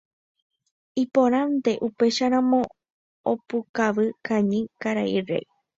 Iporãite upéicharamo opukavy kañy karai Réi.